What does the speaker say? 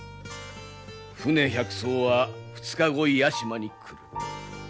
船１００そうは２日後屋島に来る。